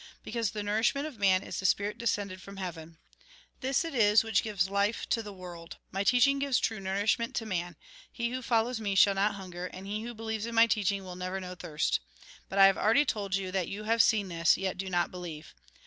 Because the nourishment of man is the spirit descended from heaven. This it is which gives life to the world. My teaching gives true nourishment to man. He who follows me shall not hunger, and he who believes in my teaching will never know thirst. " But I have already told you that you have seen this, yet do not believe.